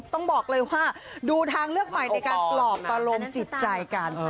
ต้องบอกเลยว่าดูทางเลือกใหม่ในการปลอบอารมณ์จิตใจกัน